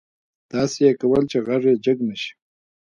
داسې يې کول چې غږ يې جګ نه شي.